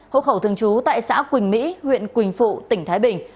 hộ khẩu thường trú tại xã quỳnh mỹ huyện quỳnh phụ tỉnh thái bình